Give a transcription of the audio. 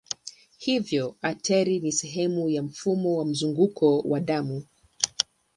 Hivyo ateri ni sehemu ya mfumo wa mzunguko wa damu.